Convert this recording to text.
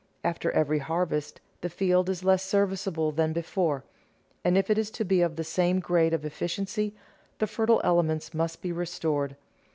After every harvest, the field is less serviceable than before, and if it is to be of the same grade of efficiency, the fertile elements must be restored.